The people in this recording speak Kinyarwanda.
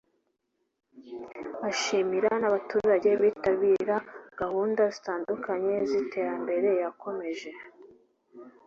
ashimira n abaturage bitabira gahunda zitandukanye z iterambere yakomeje